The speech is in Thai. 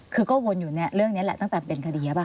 คือก็วนอยู่เรื่องนี้แหละตั้งแต่เป็นกระเดียบ